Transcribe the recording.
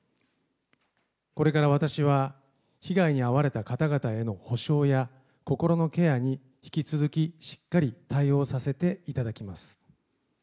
これから私は、被害に遭われた方々への補償や心のケアに引き続きしっかり対応させていただきます。